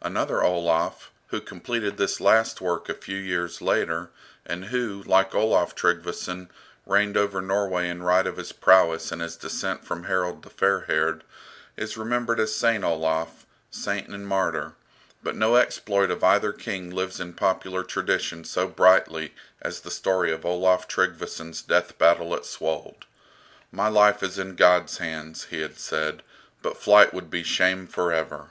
Another Olaf, who completed this last work a few years later, and who, like Olaf Tryggveson, reigned over Norway in right of his prowess and his descent from Harold the Fair haired, is remembered as St. Olaf, saint and martyr; but no exploit of either king lives in popular tradition so brightly as the story of Olaf Tryggveson's death battle at Svold. "My life is in God's hands," he had said, "but flight would be shame for ever."